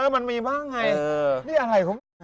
มันมีบ้างไง